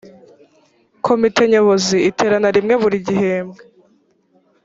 komite nyobozi iterana rimwe buri gihembwe